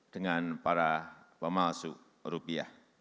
dengan para pemalsu rupiah